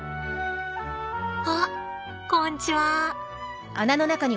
あっこんちは。